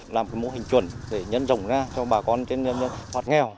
là một mô hình chuẩn để nhân rộng ra cho bà con trên nơi hoạt nghèo